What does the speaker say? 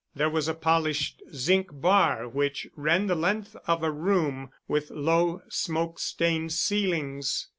There was a polished zinc bar which ran the length of a room with low, smoke stained ceilings.